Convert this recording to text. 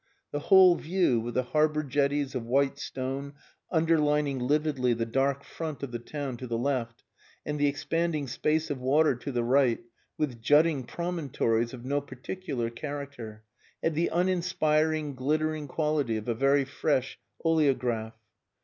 The whole view, with the harbour jetties of white stone underlining lividly the dark front of the town to the left, and the expanding space of water to the right with jutting promontories of no particular character, had the uninspiring, glittering quality of a very fresh oleograph.